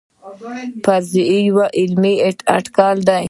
فرضیه یو علمي اټکل دی